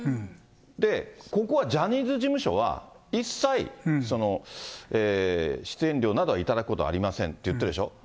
で、ここはジャニーズ事務所は一切出演料などは頂くことはありませんって言ってるでしょ。